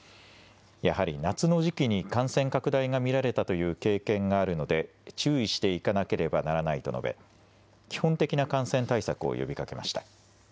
やはり夏の時期に感染拡大が見られたという経験があるので注意していかなければならないと述べ基本的な感染対策を呼びかけました。